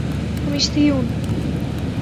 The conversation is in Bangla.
তুমি, সিউয়ান।